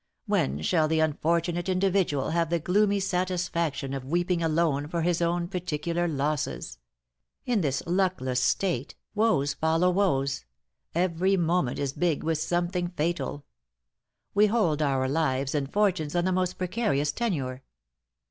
When shall the unfortunate individual have the gloomy satisfaction of weeping alone for his own particular losses! In this luckless state, woes follow woes every moment is big with something fatal. We hold our lives and fortunes on the most precarious tenure.